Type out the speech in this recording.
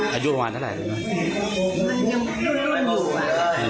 เหมือนสำนาคมันมืนยังไงก็ไม่รู้